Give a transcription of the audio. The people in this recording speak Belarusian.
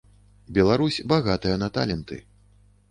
Беларусь багатая на таленты.